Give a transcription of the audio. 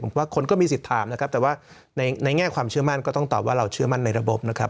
ผมว่าคนก็มีสิทธิ์ถามนะครับแต่ว่าในแง่ความเชื่อมั่นก็ต้องตอบว่าเราเชื่อมั่นในระบบนะครับ